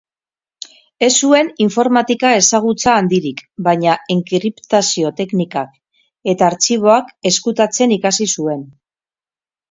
Ez zuen informatika ezagutza handirik baina enkriptazio teknikak eta artxiboak ezkutatzen ikasi zuen.